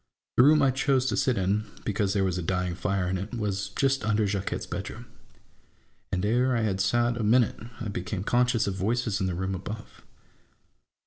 The room I chose to sit in, because there was a dying fire in it, was just under Jacquette's bedroom ; and ere I had sat a minute, I became conscious of voices in the room above.